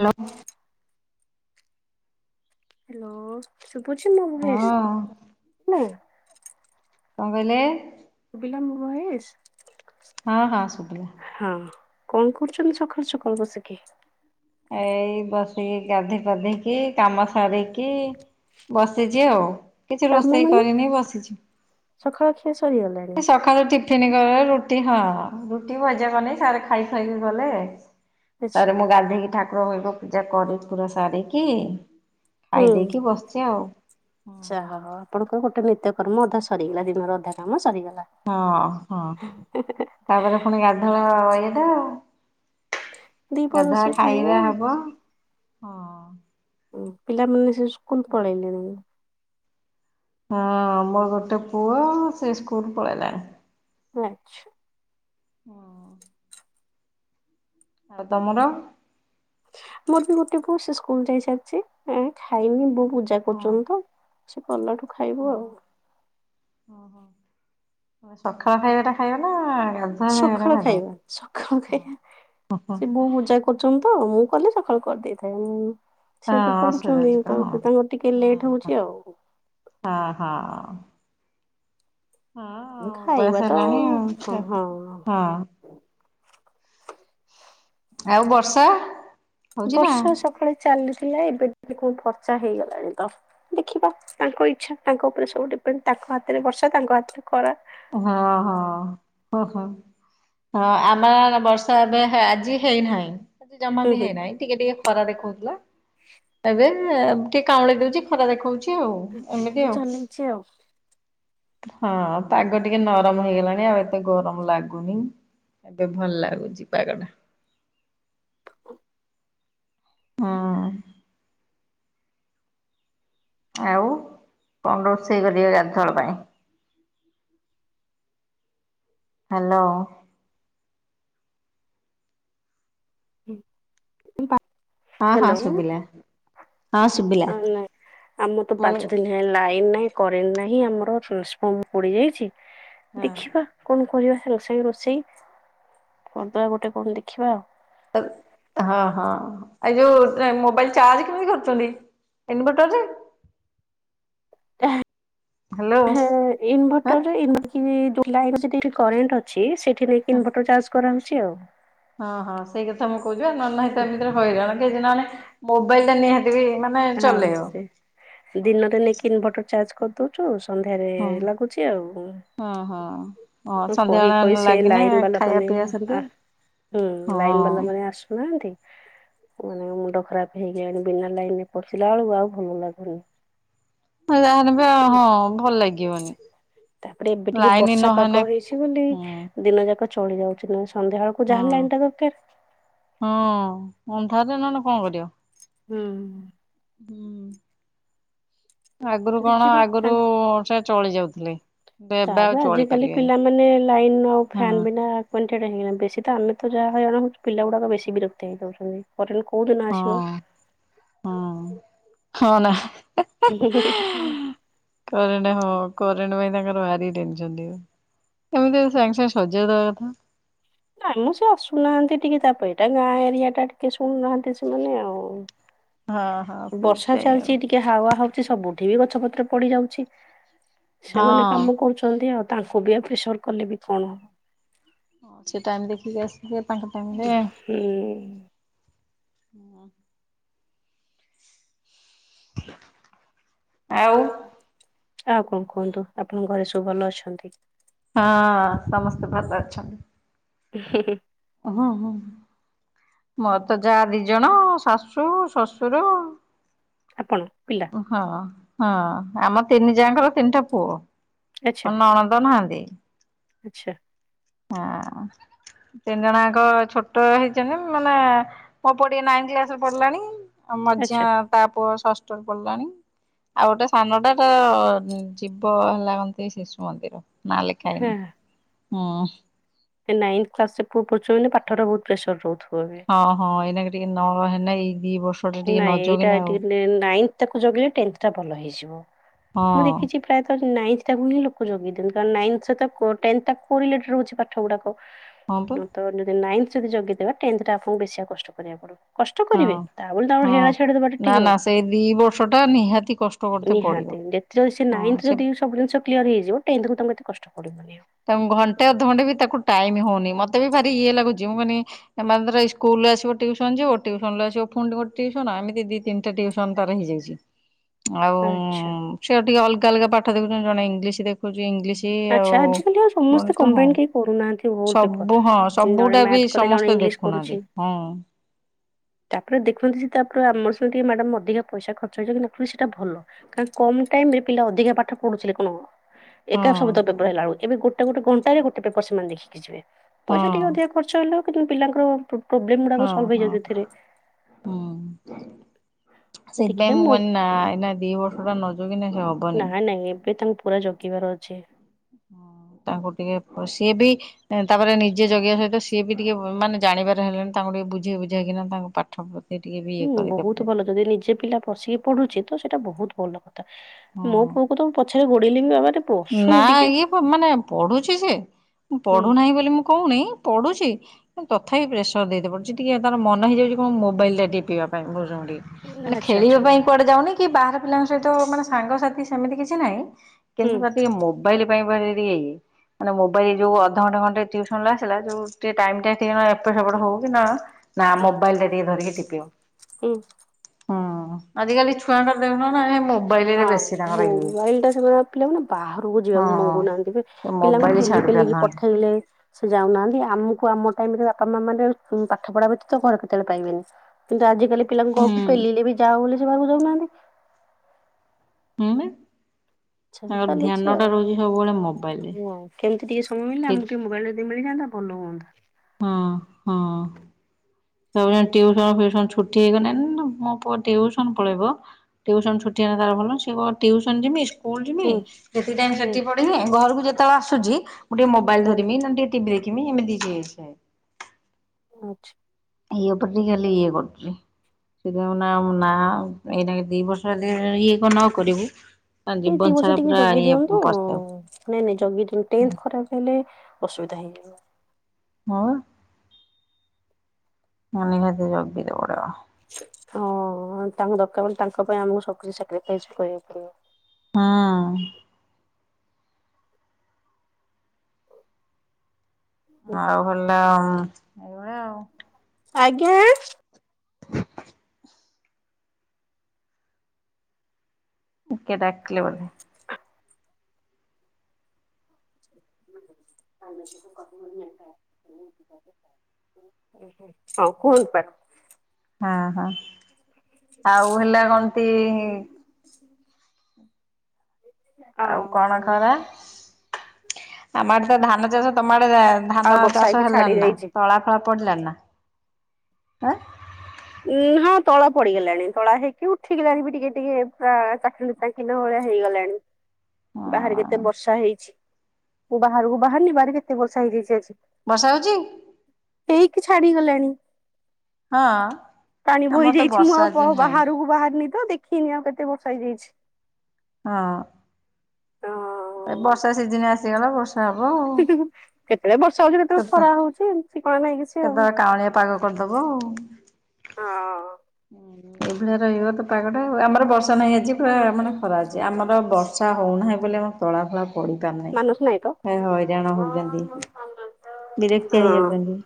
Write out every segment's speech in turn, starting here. Hello. ଚୁଡ଼ି hello, ଶୁଭୁଛି ମୋ ହଁ ଭଏସ୍? କଣ ହେଲା? କଣ କଇଲେ? ଶୁଭିଲା ମୋ ଭଏସ୍‌? ହଁ, ହଁ ଶୁଭିଲା। ହଁ କଣ କରୁଛନ୍ତି ସଖାଳୁ ସଖାଳୁ ବସିକି? ଏଇ ବସିକି ଗାଧେଇ ପାଧେଇକି କାମ ସାରିକି ବସିଛି ଆଉ। କିଛି କାମ ରୋଷେଇ ମାନେ କରିନି ବସିଛି। ସକାଳ ଖିଆ ସରିଗଲାଣି ଏ ସକ ସଖାଳୁ ଟିଫିନ୍‌ କଲେ ରୁଟି ହଁ, ରୁଟି ଭଜା କନି ସାର୍‌ ଖାଇ ସାରିକି ଗଲେ। ଆଚ୍ଛା ତାପରେ ମୁଁ ଗାଧେଇକି ଠାକୁର ଘର ପୂଜା କରି କୁରା ସାରିକି ହୁଁ। ଖାଇ ଦେଇକି ବସିଚି ଆଉ। ଆଚ୍ଛା ହଉ। ଆପଣଙ୍କର ଗୋଟେ ନିତ୍ୟକର୍ମ ଅଧା ସରିଗଲା ଦିନର ଅଧା କାମ ସରିଗଲା। ହଁ, ହଁ। ତାପରେ ପୁଣି ଗାଧେଇବ ଇଏଟା ଆଉ। ଦିପହର ଗାଧା ରୋଷେଇ ବନେଇବା ଖାଇବା ଆଉ ହବ ହଁ। ଓ ପିଲାମାନେ ସବୁ ସ୍କୁଲ ପଳେଇଲେଣି? ହଁ ମୋ ଗୋଟେ ପୁଅ ସେ ସ୍କୁଲ ପଳେଇଲାଣି। ଆଛା। ହଁ। ଆଉ ତମର? ମୋର ବି ଗୋଟେ ପୁଅ ସେ ସ୍କୁଲ ଯାଇ ସାରିଚି, ଏ ଖାଇନି ବୋଉ ପୂଜା ହଁ କରୁଛନ୍ତି ତ। ସେ କଲାଠୁ ଖାଇବୁ ହଁ ଆଉ। ହଁ ସକାଳ ଖାଇବା ଟା ଖାଇବା ନା ଗାଧୋ ସକାଳ ଖାଇବା ସକାଳୁ ଖାଇବା ସେ ବୋଉ ପୂଜା କରୁଛନ୍ତି ତ ମୁଁ କଲେ ସକାଳୁ କରିଦେଇଥାଏ, ମୁଁ ସେ ଏବେ ହଁ ଅସୁବିଧା କରୁଛନ୍ତି ଯିବ ତ ହଁ ତାଙ୍କର ଟିକେ ହଁ ଲେଟ୍ ହଁ। ହୋଉଚି ଆଉ। ହଁ, ହଁ। ମୁଁ ବୟସ ଖାଇବା ତ ହେଲାଣି ଆଉ ହଁ, ହଁ। ହଁ। ଆଉ ବର୍ଷା ହଉଛି ନା ବର୍ଷା ସକାଳେ ଚାଲିଥିଲା ଏବେ ଟିକେ କଣ ଫର୍ଚ୍ଛା ହେଇଗଲାଣି ତ। ଦେଖିବା ତାଙ୍କ ଇଚ୍ଛା ତାଙ୍କ ଉପରେ ସବୁ ଡିପେନ୍ ତାଙ୍କ ହାତରେ ବର୍ଷା ତାଙ୍କ ହାତରେ ଖ ହଁ ହଁ ହ ହୋ। ହଁ ଆମର ବର୍ଷା ଏବେ ଆଜି ହେଇନାହିଁ ଆଜି ଜମା ହୁଁ ବି ହେଇନାହିଁ। ଟିକେ ଟିକେ ଖରା ଦେଖାଉଥିଲା, ଏବେ ଟିକେ କାଉଁଳି ଦୋଉଚି ଖରା ଦେଖଉଚି। ଉ ଏମତି ହୁଁ ଆଉ ଚଲେଇଛି ଆଉ ହଁ। ପାଗ ଟିକେ ନରମ ହେଇଗଲାଣି ଆଉ ଏତେ ଗରମ ଲାଗୁନି ଏବେ ଭଲ ଲାଗୁଚି ପାଗ ଟା। ହଁ ହଁ। ଆଉ କଣ ରୋଷେଇ କରିବ ରାତି ପାଇଁ? ହ୍ୟାଲୋ। ହୁଁ। ହଁ ହଁ ଶୁଭିଲା ହଁ ସୁଭିଲା, ନାଇଁ ଆମର ତ ପାଞ୍ଚ ମାନେ ଦିନ ଲାଇନ ନାହିଁ କରେଣ୍ଟ ନାହିଁ ଆମର ଟ୍ରାନ୍ସଫର୍ମର ପଡି ଯାଇଛି ଦେଖିବା। କଣ କରିବା ସେ ରୋଷେଇ ରୋଷେଇ କରିଦବା ଗୋଟେ କଣ ଦେଖିବା ଆଉ। ହଁ ହଁ ଏ ଯୋଉ ମୋବାଇଲ ଚାର୍ଜ କେମିତି କରୁଚନ୍ତି? ଇନଭର୍ଟର ରେ? ହ୍ୟାଲୋ ହଁ। ଇନଭର୍ଟର ଇନଭର୍ଟର କି ଲାଇ [unintelligible] କରେଣ୍ଟ ଅଛି ସେଠି ନେଇକି ଇନଭଟର ଚାର୍ଜ କରାହୋଉଚି ଆଉ। ହଁ ହଁ ସେଇ କଥା ମୁଁ କହୁଚି ନ ହେଲେ ନାହିଁ ସେଇଥି ପାଇଁ ଏମିତିରେ ହଇରାଣ କେହିଦିନେ ମୋବାଇଲ ଟା ନିହାତି ମାନେ ହଁ ଚଲେଇବ। ସେ ଦିନରେ ନେଇକି [unintelligible] ସନ୍ଧ୍ୟାରେ ଲାଗୁଚି ଆଉ। ଓ ହୋ ହ ମୁଁ କହି କହି ସନ୍ଧ୍ୟାବେଳେ ସେ ଲାଗିନେ ଲାଇନ ବାଲା ଖାଇବା ମାନେ ପିଇବା ଆ ସରିକା ହୁଁ ଲାଇନ୍ ବାଲା ମାନେ ଆସୁଚନ୍ତି। ମାନେ ମୁଣ୍ଡ ଖରାପ ହେଇ ଜୀବଣି ବିନା ଲାଇନରେ ପଶିଲା ବେଳକୁ ଆଉ ଭଲ ଲାଗୁନି। ଯା ଟିକେ। ହଁ ଭଲ ଲାଗିବନି ଲାଇନ ନହେ କହିଚି ବୋଲି ଦିନ ଯାକ ଚଳି ଯାଉଚୁ ନା ସନ୍ଧ୍ୟା ବେଳକୁ ଯାହା ହଁ ଲାଇନ ଟା ଦରକାର ହଁ ଅନ୍ଧାରରେ ନହେଲେ କଣ କରିବ। ହୁଁ। ହୁଁ ଆଗରୁ କଣ ଦେଖିବା ଆଗରୁ ତାଙ୍କ ପ ଚଳି ଯାଉଥିଲେ। କିନ୍ତୁ ଏବେ ଆଉ ତାପରେ ଚଳି ଆଜିକାଲି ପାରିବେନି ପିଲାମାନେ ଲାଇନ ଆଉ ହଁ ଫ୍ୟାନ ବିନା କ ହେଇଗଲା ବେଶୀ ତ ଆମେ ତ ଯାହା ହଇରାଣ ହୋଉଚୁ ପିଲା ଗୁଡାକ ବେଶୀ ବିକ୍ତ ହେଇଉଛନ୍ତି। ପଚାରୁଛନ୍ତି କୋଉଦିନ ଆସିବ? ହଁ ହଁ ହଁ। ହିଁ ହି। କରଟ ହଁ କରେଣ୍ଟ ପାଇଁ ଭାରି ଡେଞ୍ଜର। କେମିତି ସାଙ୍ଗେ ସାଙ୍ଗେ ସଜେଇ ଦବା କଥା। ନାଇ ମୁଁ ସେ ଆସୁନାହାନ୍ତି ଟିକେ ତାପରେ ଏଇଟା ଗାଁ ଏରିଆ ଟା ଟିକେ ଶୁଣୁନାହାନ୍ତି ସେମାନେ ଆଉ। ହଁ। ବର୍ଷା ସେଇଥିପାଇଁ ଆଉ ଚାଲିଚି ଟିକେ ହାୱା ହଉଛି ସବୁଠି ବି ଗଛ ପତ୍ର ପଡି ଯାଉଛି। ସେମାନେ ହଁ କାମ କରୁଛନ୍ତି ଆଉ ତାଙ୍କୁ ବି ଆ ପ୍ରେସର କଲେ ବି କଣ ହବ? ହଉ ସେ ଟାଇମ ଦେଖିକି ଆସିବେ ତାଙ୍କ ଟାଇମ ରେ। ହୁଁ। [unintelligible] ଆଉ। ଆଉ କଣ କୁହନ୍ତୁ? ଆପଣଙ୍କ ଘରେ ସବୁ ଭଲ ଅଛନ୍ତି। ହଁ, ସମସ୍ତେ ଭଲ ଅଛନ୍ତି। [unintelligible] ହୁଁ ହୁଁ। ମୋ ତ ଯାହା ଦି ଜଣ ଶାଶୁ, ଶ୍ୱଶୁର। ଆପଣ। ପିଲା ହଁ ହଁ। ଆମ ତିନି ଯାଙ୍କର ତିନିଟା ପୁଅ। ଆଚ୍ଛା ମୋ ନଣଦ ନାହାଁନ୍ତି। ଆଚ୍ଛା। ହଁ। ତିନି ଜଣଙ୍କ ଛୋଟ ହେଇଛନ୍ତି ମାନେ ମୋ ପୁଅ ଟିକେ ନାଇନ କ୍ଲାସ ରେ ପଡିଲାଣି। ଆଉ ଆଚ୍ଛା ମଝିଆ ତା ପୁଅ ଷଷ୍ଠରେ ପଢିଲାଣି। ଆଉ ଗୋଟେ ସାନଟା ତ ଯିବ ହେଲା କନ୍ତି ଶିଶୁ ମନ୍ଦିର। ନାଆଁ ଲେଖା ହଁ। ହେଇନି। ହୁଁ। ନାଇନ୍ଥ କ୍ଲାସ ରେ ପୁଅ ପଡୁଚି ମାନେ ପାଠରେ ବହୁତ ପ୍ରେସର ରହୁଥିବ ଏବେ। ହଁ ହଁ ଏଇନାକେ ଟିକେ ନ ହେନା ଏଇ ଦି ବର୍ ନାଇଁ ଏଇଟା ଟିକେ ନାଇନ୍ଥ ତାକୁ ଜଗିଲେ ଟେନ୍ଥ ଟା ଭଲ ହେଇଯିବ। ହଁ ମୁଁ ଦେଖିଛି ପ୍ରାୟତଃ ନାଇନ୍ଥ ଟା କୁ ହିଁ ଲୋକ ଯୋଗେଇ ଦିଅନ୍ତି କାନ ନାଇନ୍ଥ ରେ ତ କୋ ଟେନଥା କୋଉ ଏଲେକ୍ଟ୍ରି ରହୁଛି ପାଠ ଗୁଡାକ ହଁ ବା। ତ ଯଦି ନାଇନ୍ଥ ଯଦି ଜଗିଦେବା ଟେନ୍ଥ ଟା ଆପଣଙ୍କୁ ବେଶିଆ କଷ୍ଟ କରିବାକୁ ପଡ଼ିବ। କଷ୍ଟ କରିବେ। ହଁ ହଁ। ନା ନା ସେଇ ଦି ବର୍ଷ ଟା ନିହାତି କଷ୍ଟ କରତେ ପଡିବ ହଁ ସେ [unintelligible] [unintelligible] ତାଙ୍କୁ ଘଣ୍ଟେ ଅଧଘଣ୍ଟେ ବି ତାକୁ ଟାଇମ ହଉନି ମତେ ବି ଭାରି ଇଏ ଲାଗୁଛି। ମୁଁ କହିନି ଏମାନ୍ଦୀରାଇ ସ୍କୁଲରୁ ଆସିବ ଟ୍ୟୁସନ ଯିବ ଟ୍ୟୁସନୁ ଆସିବୁଣି ଗୋଟେ୍ୟୁସନ ଏମି ଦି ତିନିଟା ଟ୍ୟୁସନ ତାର ହେଇଯାଇଛି। [unintelligible] ଆଉ ଆଚ୍ଛା ସେଏଉ ଟିକେ ଅଲଗା ଅଲଗା ପାଠ ଦେଖୁଛନ୍ତି ଜଣେ ଇଂଲିଶ ଦେଖୁଛି ଇଂଲିଶ ଆଚ୍ଛା ଆଉ ଆଜିକାଲି ଆଉ ସମସ୍ତେ ବଣ ତ ହଁ, କମ୍ବାଇନ କେହି କରୁନାହାନ୍ତି ଓଲ୍ ପେପର। ସବୁ ହଁ ଜଣେ ସବୁଟା ବି ମ୍ୟାଥ କଲେ ଜଣେ ସମସ୍ତେ ଇଂଲିଶ କରୁଛି ଦେଖୁନାହାନ୍ତି। ହଁ। ତାପରେ ଦେଖନ୍ତି ସେ ତାପରେ ଆମର ସେଟିକେ ମ୍ୟାଡ଼ାମ ଅଧିକା ପଇସା ଖର୍ଚ୍ଚଇଯଛି କିସେଇଟା ଭଲ। କ କମ ଟାଇମ ରେ ପିଲା ଅଧିକା ପାଠ ପଢୁଥିଲେ କଣ? ସବୁ ତ ହଁ ପେପ ର ହେଲା ବୁ। ଏବେ ଗୋଟେ ଗୋଟେ ଘଣ୍ଟା ଗୋଟେପେପର ସେମାନେ ଦେଖିକି ଯିବେ ପଇସା ହଁ ଟିକେ ଅଧିକ ଖର୍ଚ୍ଚ ହେଲେ କିନ୍ତୁ ପିଲାଙ୍କର ପ୍ରୋବ୍ଲେମ ଗୁଡାକ ହଁ ସଲଭ ହଁ ହେଇଯାଉଥିରେ। ସେଇତିପାଇ ମୁଁ କଇନି ନା ଏଇନା ଦିଇ ବର୍ଷରଟା ନଜଉ କିନା ସେ ହବ। ନାଇଁ ନାଇଁ ଏବେ ତାଙ୍କୁ ପୁରା ଜଗିବାର ଅଛି। ତାଙ୍କୁ ଟିକେ ସିଏ ବି ତାପରେ ନିଜେ ଜଗିବା ସହିତ ସିଏ ବି ଟିକେ ମାନେ ଜାଣିବାର ହେଲେଣି ତାଙ୍କୁ ଟିକେ ବୁଝେଇ ବୁଝେଇକ କିନା ତାଙ୍କ ପାଠ ଟିକେ ବି ଇଏ ହୁଁ, କରିତେ ବହୁତ ପଡିବ। ଭଲ ଯଦି ନିଜେ ପିଲା ଵଶିକି ପଢୁଛି ତ ସେଇଟା ବହୁତ ଭଲ କଥା। ମୋ ହଁ। ପୁଅକୁ ତ ମୁ ପଛରେ ଗୋଡେଇଲି ବାବା ନା ଇଏ ମାନେ ପଢୁଛି ସେ ହୁଁ। ପଢୁନାହିଁ ବୋଲି ମୁଁ କହୁନି ପଢୁଛି। ତଥା ହି ପ୍ରେସର ଦେଇଟେ ପଡୁଛି ଟିକେ ତାର ମନ ହେଇଯାଉଛି କଣ ମୋବାଇଲଟା ଟିପିଵା ପାଇଁ ବୁଝନ୍ତୁ ଟିକେ। ମାନେ ଆଚ୍ଛା ଆଚ୍ଛା ଖେଳିବା ନାଇଁ ପାଇଁ ନାଇଁ କୁଆଡେ ଯାଉନି କି ବାହାର ପିଲାଙ୍କ ସହିତ ମାନେ ସାଙ୍ଗସାଥି ସେମିତି କିଛି ନାହିଁ। ହୁଁ କିନ୍ତୁ ତା ଟିକେ ମୋବାଇଲ ପାଇଁ ଟିକେ ଇଏ। ମାନେ ମୋବାଇଲ ଯୋଉ ଅଧଘଣ୍ଟା ଘଣ୍ଟେ ଟିଉସନରୁ ଆସିଲା ଯୋଉ ଟିକେ ଟାଇମଟା ଏପଟ ସେପଟ ହଉ କି ନା ନାଁ, ମୋବାଇଲଟା ଟିକେ ଧରକି ଟିପିଵ। ହୁଁ, ହଁ, ଆଜିକାଲି ଛୁଆଙ୍କ ଦେହ [unintelligible] ହଁ ମୋବାଇଲ ଟା ସେମାନେ ପିଲାମାନେ ବାହାରକୁ ହଁ ଯିବାକୁ ମଙ୍ଗୁନାହାନ୍ତି। ସେ ପିଲାଙ୍କୁ ମୋବାଇଲ ଠେଲି ଛାଡି ଫେଲିକି ପାରୁନାହାନ୍ତି। ପଠେଇଲେ। ସେ ଯାଉନାହାନ୍ତି। ଆମକୁ ଆମ ଟାଇମରେ ବାପା ମା ମାନେ ପାଠ ପଢା ବ୍ୟତୀତ ଘରେ କେତେବେଳେ ପାଇବେନି। କିନ୍ତୁ ଆଜିକାଲି ପିଲାଙ୍କୁ ହୁଁ ଘରକୁ ପେଲିଲେ ବି ଯାଅ ବୋଲି ସେ ବାହାକୁ ଯାଉନାହାନ୍ତି। [unintelligible] ଆଛା ତାଙ୍କର ଧ୍ୟାନ ଚାଲିଛି ଟା ଆଉ। ରହୁଛି ସବୁବେଳେ ମୋବାଇଲରେ। ମୁଁ ଅ କେମିତି ଟିକେ ସମୟ ମିଳିଲା ସେ ଆମକୁ ଟିକେ ମୋବାଇଲ ମିଳିଯାଆନ୍ତା ଭଲ ହୁଅନ୍ତା। ହଁ ହଁ। [unintelligible] ଟିଉସନ ଫିଉସନ ଛୁଟି ହେଇଗଲେ ନା ମୋ ପୁଅ ଟିଉସନ ପଳେଇବ। ଟ୍ୟୁସନ୍ ଛୁଟି ହେଲେ ତାର ଭଲସିଏ କଣ ଟିଉସନ ଟିଉ୍ୟୁସନ ଯିବି ସ୍କୁଲ ଯିମି ହୁଁ ସେତିିକି ଟାଇମ ହୁଁ ସେଠି ପଢିବି। ଘରକୁ ଯେତେବେଳେ ଆସୁଛି ମୁଁ ଟିକେ ମୋବାଇଲ ହୁଁ ଧରିମି ନା ଟିକେ ଟିଭି ଦେଖିବି ଏମିତି ହୁଏ ସ ଆଚ୍ଛା, ଇଏ ଉପରେ ଟିକେ ଖାଲି ଇଏ କରୁଛି। ସେଥିପାଇଁ ନା ନା ଏଇଟା ଦି ବର୍ଷ ଯଦି ଇଏ କ ନ କରିବୁ ତା ଏଇ ଜୀବନ ଦି ବର୍ଷ ସାରା ଟିକେ ପୁରା ଜଗି ଇଏ ଦିଅନ୍ତୁ ପସ୍ତେଇବୁ। ନାଇଁ ନାଇଁ ଜଗି ଦିଅନ୍ତୁ ଟେନଥ୍ ଖରାପ ହେଲେ ଅସୁବିଧା ହେଇଯିବ। ହଁ, [unintelligible] ହଁ, ତାଙ୍କୁ ଦରକାର ତାଙ୍କ ପାଇଁ ଆମକୁ ସବୁ କିଛି ସାକ୍ରିଫାଇସ୍ କରିବାକୁ ପଡିବ। ହଁ। ଆଉ ହେଲା ଆଉ। ଏଇଭଳିଆ ଆଜ୍ଞା, କିଏ ଡାକିଲେ ବୋଧେ? [inaudible] ହଉ କୁହନ୍ତୁ ପା ହଁ ହଁ ଆଉ ହେଲା କଣତି-ଇ-ଇ-ଇ-ଇ ଆଉ କଣ ଖରା ଆମ ଆଡେ ତ ଧାନ ଚାଷ ତମ ଆଡେ ଆ ଆଉ ଧାନ ବର୍ଷା ଚାଷ ହେଇକି ଛାଡି ହେଲାଣି ନା ଯାଇଛି। ତଳା ଫଳା ପଡିଲାଣିି ନାଁ ଅ? ହଁ ତଳା ପଡିଗଲାଣି ତଳା ହେଇକି ଉଠିଗଲାଣି ବି ଟିକେ ଟିକେ ପୁରା ଚାକ ଖେଣ୍ଡେ ଭଳିଆ ହେଇଗଲାଣି। ବାହାରେ ହଁ କେତେ ବର୍ଷା ହେଇଛି। ମୁଁ ବାହାରକୁ ବାହାରିନି ବାହାରେ କେତେ ବର୍ଷା ହେଇଯାଇଛି ଆଜି। ବର୍ଷା ହେଉଛି? ହେଇକି ଛାଡିଗଲାଣି। ହଁ-ଅ-ଅ, ପାଣି ବୋହି ଯାଇଛି ମୁଁ ଆଉ ପ ବାହାରକୁ ବାହାରନି ତ ଦେଖିନି ଆଉ କେତେ ବର୍ଷା ହେଇଯାଇଛି। ହଁ, ହଁ, ଏ ବର୍ଷା ସିଜିନ ଆସିଗଲା ବର୍ଷା ହବ। କେତେବେଳେ ବର୍ଷା ହଉଛି କେତେବେଳେ କେତେ ଖରା ହଉଛି ଠିକଣା ନାଇଁ କିଛି। ଆଉ। କେତେବେଳେ କାଉଁଳିଆ ପାଗ କରିଦବ। ଏଇଭଳିଆ ରହିବ ତ ପାଗଟା ଆଉ ଆମର ବର୍ଷା ନାଇ ଆଜି ପୁରା ମାନେ ଖରା ଆ ଜି ହଁ ଆମର ବର୍ଷା ହଉନାହିଁ ବୋଲି ଆମେ ତଳାଫଳା ପଡିତାନେ ଅ ହଇରାଣ ହଉଛନ୍ତି, ହଁ ବିରକ୍ତିଆ ହେଇଯାଉଛନ୍ତି।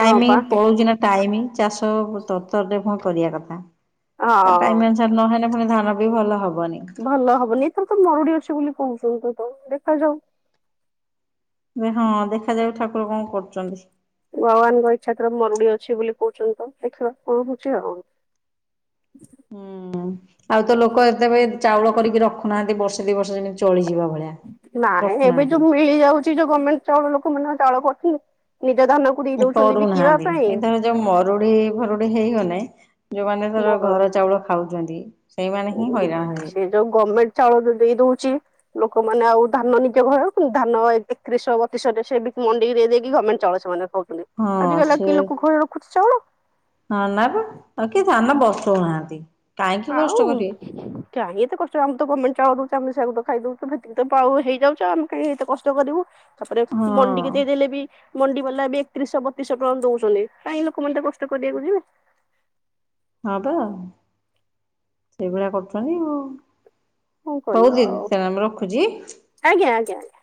ହଁ ପା ପଳଉଛି ନା ଟାଇମି ଚାଷ ତର ତରରେ ଭ କରିବା କଥା। ତା ହଁ। ଟାଇମି ଅନୁସାରେ ନହେଲେ ପୁଣି ଧାନ ବି ଭଲ ହବନି। ଭଲ ହବନି, ଏଥର ତ ମରୁଡି ଅଛି ବୋଲି କହୁଛନ୍ତିୁ ତ ଦେଖାଯାଉ। ଏ ହଁ ଦେଖାଯାଉ, ଠାକୁର କଣ କରୁଛନ୍ତି? ଭଗବାନଙ୍କ ଇଛା ର ମରୁଡି ଅଛି ବୋଲି କହୁଛନ୍ତି ତ, ଦେଖିବା କଣ ହଉଛି ଆଉ। ହୁଁ ଆଉ ତ ଲୋକ ଏତେବେଳେ ଚାଉଳ କରିକି ରଖୁନାହାନ୍ତି ବର୍ଷା ଯେମିତି ବର୍ଷା ଦିନେ ଚଳିଯିବା ଭଳିଆ। ନାଇଁ ଏବେ ରଖୁନାହାନ୍ତି ଯୋଉ ମିଳି ଯାଉଛି, ଯୋଉ ଗଭର୍ଣ୍ଣମେଣ୍ଟଳ ଲୋକ ମାନଙ୍କ ଚାଉଳ କରୁଚନ୍ତି, ନିଜ ଧାନ କୁଡେ଼ଇ ଦଉଛନ୍ତି ବିକିବା କରୁନାହାନ୍ତି ପାଇଁ। ଏଇଥର ଯୋଉ ମରୁଡି ଭରୁଡି ହେଇଗନେ ଯୋଉମାନେ ଧର ଘର ଚାଉଳ ଖାଉଛନ୍ତି, ସେଇମାନେ ହିଁ ହଇରାଣ ହେବେ। ସେ ଯୋଉ ଗଭର୍ଣ୍ଣମେଣ୍ଟ ଚାଉଳ ଦେଇ ଦଉଛି। ଲୋକମାନେ ଆଉ ଧାନ ନିଜ ଘହ ଧାନ ଏକତିରିଶ ବତିଶରେ ସେ ମଣ୍ଡି ଦେଇକି ଗଭର୍ଣ୍ଣମେଣ୍ଟ ଚାଉଳ ସେମାନେ କହୁଛନ୍ତି, ଆଜିକାଲି କିଏ ଲୋକ ଘରେ ରଖୁଛି ଚାଉଳ? ହ ନା ବା କିଏ ଧାନ ବସଉନାହାନ୍ତି, କାହିଁକି କଷ୍ଟ କରିବେ? କାଇଁ ଏତେ କଷ୍ଟ ଆମର ତ ଗମେଣ୍ଟ ଚାଉଳ ଦଉଛି, ଆମେ ସେୟାକୁ ତ ଖାଇଦଉଛୁ [inaudible] ହେଇଯାଉଛି ଆମେ କାଇଁ ଏତେ କଷ୍ଟ କରିବୁ? ତାପରେ ହଁ ମଣ୍ଡିିକି ଦେଇଦେଲେ ବି ମଣ୍ଡି ବାଲା ବି ଏକତିରିଶ ବତିଶହ ଟଙ୍କା ଦଉଛନ୍ତି, କାଇଁ ଲୋକମାନେ ଏତେ କଷ୍ଟ କରିବାକୁ ଯିବେ? ହଁପା, ସେଇଭଳିଆ କରୁଛନ୍ତି ଆଉ କଣ ହଉ କରିବା ଆଉ ଦିଦି ମୁଁ ରଖୁଛି। ଆଜ୍ଞା ଆଜ୍ଞା ଆଜ୍ଞା।